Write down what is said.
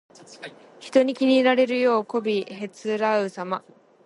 人に気に入られるようにこびへつらうさま。